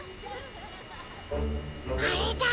あれだ。